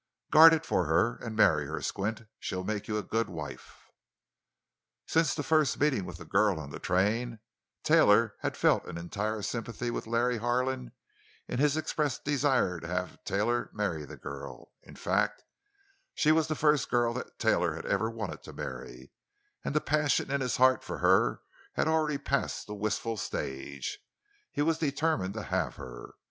Guard it for her, and marry her, Squint; she'll make you a good wife. Since the first meeting with the girl on the train Taylor had felt an entire sympathy with Larry Harlan in his expressed desire to have Taylor marry the girl; in fact, she was the first girl that Taylor had ever wanted to marry, and the passion in his heart for her had already passed the wistful stage—he was determined to have her.